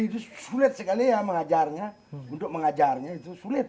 itu sulit sekali ya mengajarnya untuk mengajarnya itu sulit